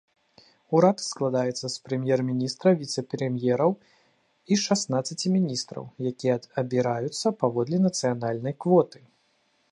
Урад складаецца з прэм'ер-міністра, віцэ-прэм'ераў і шаснаццаці міністраў, якія абіраюцца паводле нацыянальнай квоты.